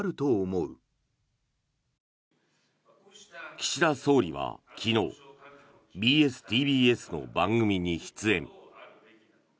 岸田総理は昨日ＢＳ−ＴＢＳの番組に出演。